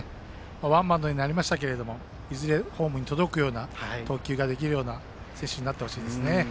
ワンバウンドになりましたがいずれホームに届くような投球ができるような選手になってほしいですね。